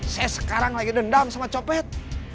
saya sekarang lagi dendam sama copet